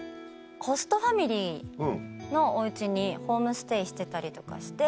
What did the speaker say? ホストファミリーのお家にホームステイしてたりとかして。